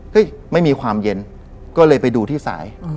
ไม่มีความเย็นก็เลยไปดูที่สาย